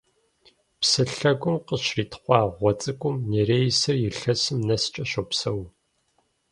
Псы лъэгум къыщритхъуа гъуэ цӀыкӀум нереисыр илъэсым нэскӀэ щопсэу.